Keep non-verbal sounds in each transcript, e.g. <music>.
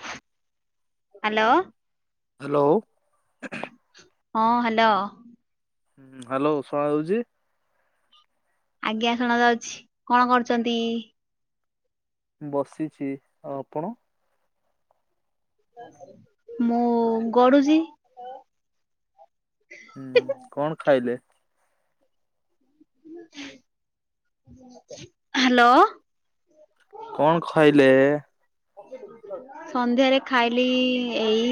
Hello. Hello. ହଁ hello. ହୁଁ hello ଶୁଣାଯାଉଛି। ଆଜ୍ଞା ଶୁଣା ଯାଉଛି କଣ କରୁଛନ୍ତି? ବସିଛି ଆଉ ଆପଣ? ମୁଁ ଗଡୁଛି। ହୁଁ କଣ ଖାଇଲେ? ହ୍ୟାଲୋ। କଣ ଖାଇଲେ? ସନ୍ଧ୍ୟାରେ ଖାଇଲି ଏଇ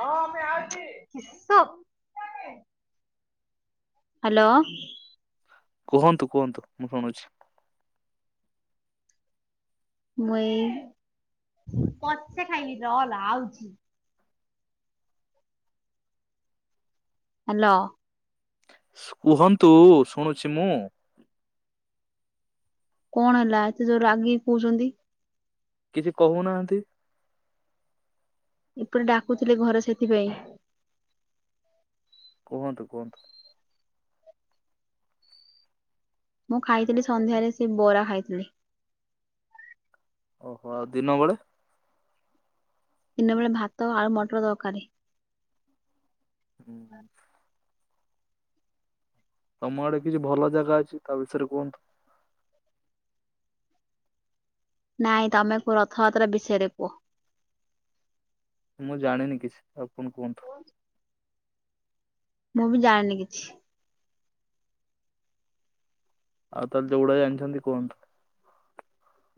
ହଁ ଆମେ ଆଉଛ। <unintelligible> ହ୍ୟାଲୋ। କୁହନ୍ତୁ କୁହନ୍ତୁ ମୁଁ ଶୁଣୁଛି। ମୁଁ ଏଇ ହ୍ୟାଲୋ। କୁହନ୍ତୁ ଶୁଣୁଛି ମୁଁ। କଣ ହେଲା ଏତେ ଯୋରରେ ରାଗିକି କହୁଛନ୍ତି। କିଛି କହୁନାହାନ୍ତି। ଏପଟେ ଡାକୁଥିଲେ ଘରେ ସେଥିପାଇଁ। କୁହନ୍ତୁ କୁହନ୍ତୁ। ମୁଁ ଖାଇଥିଲି ସନ୍ଧ୍ୟାରେ ସେ ବରା ଖାଇଥିଲି। ଓହୋ ଆଉ ଦିନବେଳେ? ଦିନବେଳେ ଭାତ ଆଉ ମଟର ଦରକାର। ହୁଁ। ତମ ଆଡେ କିଛି ଭଲ ଜାଗା ଅଛି ତା ବିଷୟରେ କୁହନ୍ତୁ। ନାଇଁ ତମେ କୁହ ରଥଯାତ୍ରା ବିଷୟରେ କୁହ। ମୁଁ ଜାଣିନି କିଛି ଆପଣ କୁହନ୍ତୁ। ମୁଁ ବି ଜାଣିନି କିଛି। ଆଉ ତାହେଲେ ଯଉଟା ଜାଣିଛନ୍ତି କୁହନ୍ତୁ।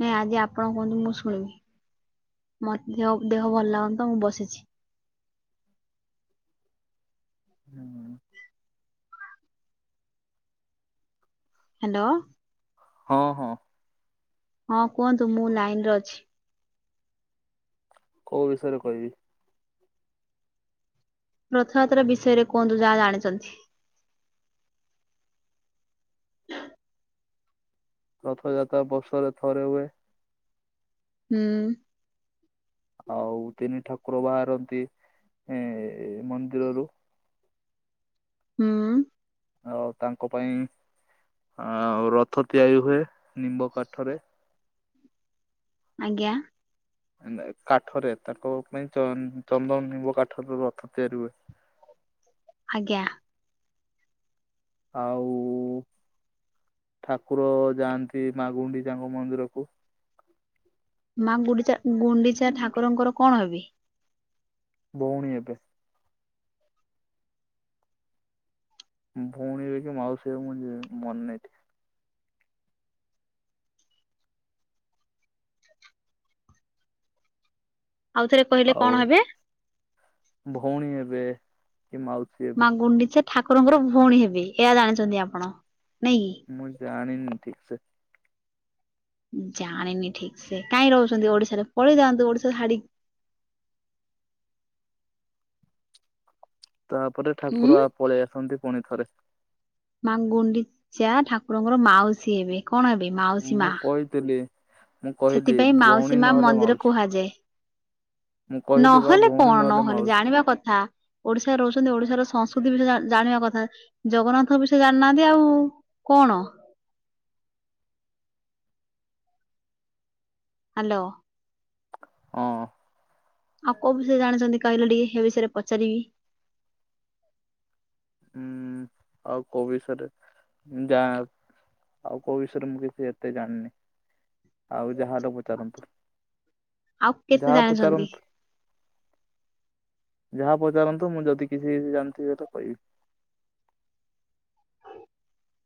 ନାଇଁ ଆଜି ଆପଣ କୁହନ୍ତୁ ମୁଁ ଶୁଣିବି। ମୋତେ ଦେହ ଦେହ ଭଲ ଲାଗୁନି ତ ମୁଁ ବସିଛି। <inaudible> ହ୍ୟାଲୋ। ହଁ ହଁ। ହଁ କୁହନ୍ତୁ ମୁଁ ଲାଇନ୍ ରେ ଅଛି। କୋଉ ବିଷୟରେ କହିବି? ରଥଯାତ୍ରା ବିଷୟରେ କୁହନ୍ତୁ ଯାହା ଜାଣିଛନ୍ତି। <unintelligible> ରଥଯାତ୍ରା ବର୍ଷରେ ଥରେ ହୁଏ। ହୁଁ। ଆଉ ତିନି ଠାକୁର ବାହାରନ୍ତି ଏ ମନ୍ଦିରରୁ। ହୁଁ। ଆ ତାଙ୍କ ପାଇଁ ରଥ ତିଆରି ହୁଏ ନିମ୍ବ କାଠରେ। ଆଜ୍ଞା। କାଠରେ ତାଙ୍କ ପାଇଁ ଚନ୍ଦନ ନିମ୍ବ କାଠର ରଥ ତିଆରି ହୁଏ। ଆଜ୍ଞା। ଆଉ ଠାକୁର ଯାଆନ୍ତି ମା ଗୁଣ୍ଡିଚା ଙ୍କ ମନ୍ଦିର କୁ ମା ଗୁଣ୍ଡିଚା, ଗୁଣ୍ଡିଚା ଠାକୁରଙ୍କର କଣ ହେବେ। ଭଉଣୀ ହେବେ। ଭଉଣୀ ହେବେକି ମାଉସୀ ହେବେ ମୁଁ ମନେ ନାହିଁ। ଲ ଠିକ୍ - ଆଉଥରେ କହିଲେ କଣ ଆଉ ହେବେ ଭଉଣୀ ହେବେ କି ମାଉସୀ ମା ହେବେ? ଗୁଣ୍ଡିଚା ଠାକୁରଙ୍କର ଭଉଣୀ ହେବେ ଏହା ଜାଣିଛନ୍ତି ଆପଣ ନାଇଁ କି? ମୁଁ ଜାଣିନି ଠିକ୍ ସେ। ଜାଣିନି ଠିକ୍ ସେ କାଇଁ ରହୁଛନ୍ତି ଓଡିଶାରେ। ପଳେଇ ଯାଆନ୍ତୁ ଓଡିଶା ଛାଡିକି। <inaudible> ତାପରେ ଉଁ ଠାକୁର ପଳେଇ ଆସନ୍ତି ପୁଣିଥରେ। ମା ଗୁଣ୍ଡିଚା ଠାକୁରଙ୍କର ମାଉସୀ ହେବେ କଣ ହେବେ ମାଉସୀ ମୁଁ ମା। କହିଥିଲି ମୁଁ କହିଲି ସେଥିପାଇଁ ଭଉଣୀ ମାଉସୀ ମା ନହେଲେ ମନ୍ଦିର ମାଉସୀ। କୁହାଯାଏ। ମୁଁ କହିଲି ବା ନହେଲେ ଭଉଣୀ କଣ ନହେଲେ ମାଉସୀ ଜାଣିବା କଥା। ଓଡିଶା ରହୁଛନ୍ତି ଓଡିଶାର ସଂସ୍କୃ ବିଷୟ ଜାଣିବା କଥା। ଜଗନ୍ନାଥଙ୍କ ବିଷୟ ଜାଣିନାହାନ୍ତି ଆଉ କଣ ହାଲୋ। ହଁ। ଆଉ କୋଉ ବିଷୟରେ ଜାଣିଛନ୍ତି କହିଲେ ଟିକେ ସେ ବିଷୟରେ ପଚାରିବି। ହୁଁ ଆଉ କୋଉ ବିଷୟରେ ଯା ଆଉ କୋଉ ବିଷୟରେ ମୁଁ କିଛି ଏତେ ଜାଣିନି। ଆଉ ଯାହା ହେଲେ ପଚାରନ୍ତୁ। ଆଉ କେତେ ଯାହା ଜାଣିଛନ୍ତି? ପଚାରନ୍ତୁ ଯାହା ପଚାରନ୍ତୁ ମୁଁ ଯଦି କିଛି ଜାଣିଥିବି ତ କହିବି।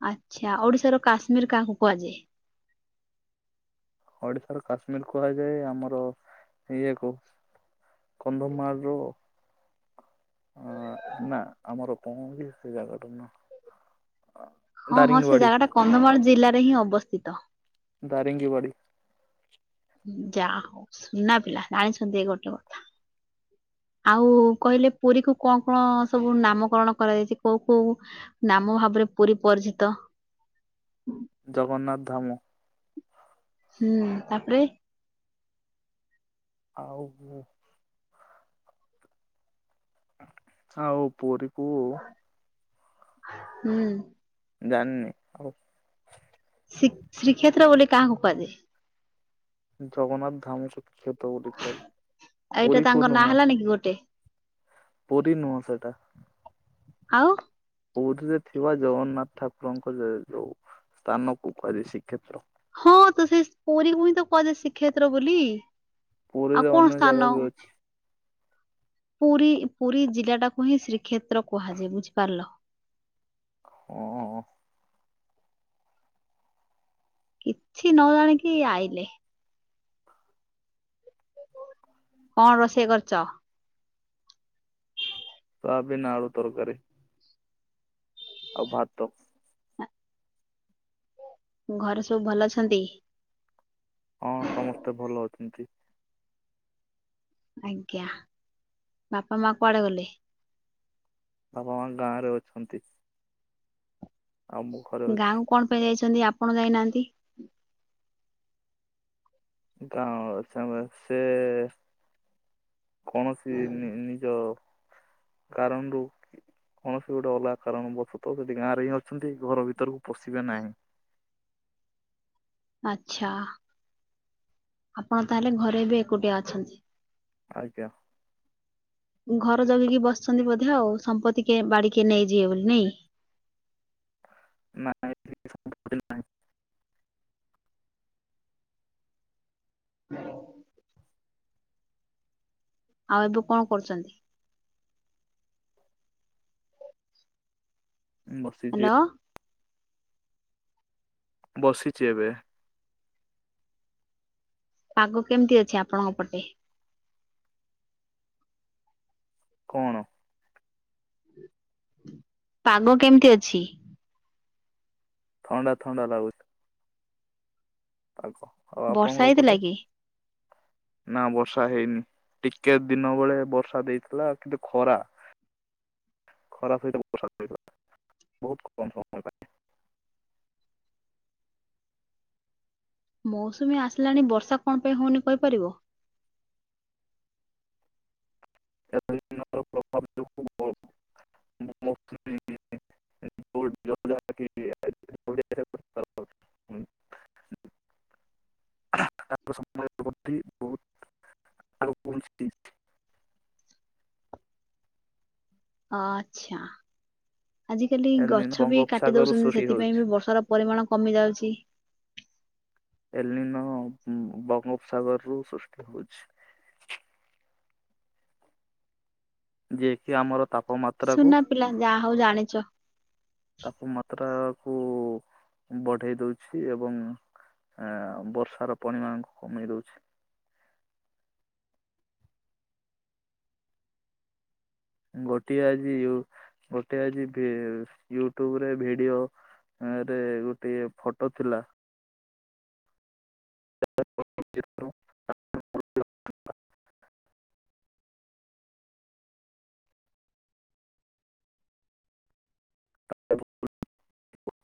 ଆଚ୍ଛା ଓଡିଶାର କାଶ୍ମୀର କାହାକୁ କୁହାଯାଏ? ଓଡିଶାର କାଶ୍ମୀର୍ କୁହାଯାଏ ଆମର ଇଏ କୁ କନ୍ଧମାଳ ର ଆ ନା ଆମର କଣ ସେ ଜାଗାଟା ନା ହଁ ହଁ ସେ ଦାରିଙ୍ଗବାଡି ଜାଗା ଟା କନ୍ଧମାଳ ଜିଲ୍ଲାରେ ହିଁ ଅବସ୍ଥିତ। ଦାରିଙ୍ଗ୍ ବାଡ଼ି। ଯାହା ହଉ ସୁନା ପିଲା ଜାଣିଛନ୍ତି ଗୋଟେ କଥା। ଆଉ କହିଲେ ପୁରୀ କୁ କଣ କଣ ସବୁ ନାମକରଣ କରାଯାଇଚି କୋଉ କୋଉ ନାମ ଭାବରେ ପୁରୀ ପରିଚିତ। ଜଗନ୍ନାଥ ଧାମ। ହୁଁ ତାପରେ ଆଉ ମୁଁ ଆଉ ପୁରୀ କୁ ହୁଁ। ଜାଣିନି ଆଉ ଶ୍ରୀ ଶ୍ରୀକ୍ଷେତ୍ର ବୋଲି କାହାକୁ କୁହାଯାଏ? ଜଗନ୍ନାଥ ଧାମକୁୁକ୍ଷତ ବୋଲି କହ ଆଉ ଏଇଟା ପୁରୀକୁ ତାଙ୍କ ନାଁ ହେଲାନି କି ଗୋଟେ <unintelligible> ପୁରୀ ନୁହଁ ସେଟା ଆଉ? ବୌଧରେ ଥିବା ଜଗନ୍ନାଥ ଠାକୁରଙ୍କ ଯୋଉ ସ୍ଥାନକୁ କୁହାଯାଏ ଶ୍ରୀକ୍ଷେତ୍ର। ହଁ ତ ସେ ପୁରୀ ପୁଣି ତ କୁହାଯାଏ ଶ୍ରୀକ୍ଷେତ୍ର ବୋଲି ପୁରୀରେ ଆଉ ଅନ୍ୟ କଣ ଜାଗା ସ୍ଥାନ ବି ଅଛି ପୁରୀ ପୁରୀ ଜିଲ୍ଲା ଟାକୁ ହିଁ ଶ୍ରୀକ୍ଷେତ୍ର କୁହାଯାଏ ବୁଝିପାରଲ। ହଁ। କିଛି ନ ଜାଣିକି ଆଇଲେ କଣ ରୋଷେଇ କରଚ? ସୋୟାବିନ ଆଳୁ ତରକାରୀ ଆଉ ଭାତ ଘରେ ସବୁ ଭଲ ଅଛନ୍ତି? ନ୍ତି ଆଜ୍ଞା ବାପା ମା କୁଆଡେ ଗଲେ? ବାପା ମା ଗାଁ ରେ ଅଛନ୍ତି। ଆଉ ମୁଁ ଘରେ ଅଛି। କେନ୍ତି ଆପଣ ଯାଇନାହାନ୍ତି? ଗାଁ ଅଛ ସେ କୌଣସି ନିଜ କାରଣରୁ କୌଣସି ଗୋଟେ ଅଲଗା କାରଣ ବର୍ଶତଃ ଯଦି ଗାଁରେ ହିଁ ଅଛନ୍ତି। ଘର ଭିତରକୁ ପଶିବେ ନାହିଁ। <inaudible> ଆଛା ଆପଣ ତାହେଲେ ଘରେ ବି ଏକୁଟିଆ ଅଛନ୍ତି। ଆଜ୍ଞା। ଘର ଜଗିକି ବସିଛନ୍ତି ବୋଧେ ଆଉ ସମ୍ପତ୍ତି ବାଡିିକ ନେଇଯିବେ ବୋଲି ନାଇଁ <inaudible> ନା <unintelligible> ନାହିଁ। ହଁ ଆଉ ଏବେ କଣ କରୁଚନ୍ତି? <inaudible> ବସିଚି। ହ୍ୟାଲୋ ବସିଚି ଏବେ ପାଗ କେମିତି ଅଛି ଆପଣଙ୍କ ପଟେ କଣ? ପାଗ କେମିତି ଅଛି? ଥଣ୍ଡା ଥଣ୍ଡା ଲାଗୁଛି। ପାଗ ଆଉ ଆପଣଙ୍କ ବର୍ଷା ପଟେ ହେଇଥିଲା କି? ନା ବର୍ଷା ହେଇନି। ଟିକେ ଦିନ ବେଳେ ବର୍ଷା ଦେଇଥିଲା କିନ୍ତୁ ଖରା ଖରାପ ସହିତ ବର୍ଷା ହୋଇଥିଲା ବହୁତ କମ ସମୟ ପାଇଁ। ମୌସୁମୀ ଆସିଲାଣି ବର୍ଷା କଣ ପାଇଁ ହଉନି କହିପାରିବ? ଏ <unintelligible> ପ୍ରଭାବ <unintelligible> <unintelligible> <unintelligible> ବହୁତ <unintelligible> ଆଚ୍ଛା। ଆଜ କାଲି ଗଛ ବି କାଟି ବଙ୍ଗୋପସାଗରରୁ ଦଉଚନ୍ତି ସୃଷ୍ଟି ସେଥିପାଇଁ ହଉଛି ବି ବର୍ଷାର ପରିମାଣ କମି ଯାଉଚି। ଏଲିନ ବଙ୍ଗୋପସାଗରରୁୁ ସୃଷ୍ଟି ହଉଛି। ଯିଏ କିି ଆମର ତା ସୁନା ପିଲା ଯାହା ହଉ ଜାଣିଚ। ତାପମାତ୍ରାକୁ ବଢେଇ ଦଉଛି ଏବଂ ଆ ବର୍ଷାର ପରିମାଣ କମେଇ ଦଉଚି। ଗୋଟିଏ ଆଜି ୟୁ ଗୋଟିଏ ଆଜି ଭି ୟୁଟୁବ ରେ ଭିଡିଓ ଏଁ ରେ ଗୋଟେ ଫଟୋ ଥିଲା। <unintelligible> <unintelligible>